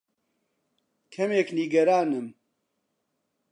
کەمێک نیگەرانم.